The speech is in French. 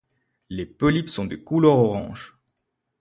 Les polypes sont de couleur orange.